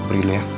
aku pergi dulu ya